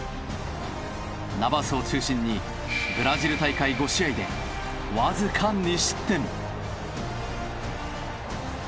ナバスを中心にブラジル大会５試合でわずか２失点。